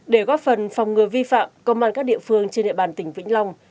để góp phần phòng ngừa vi phạm công an các địa phương trên địa bàn tỉnh vĩnh long